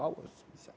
nah ini mungkin menjadi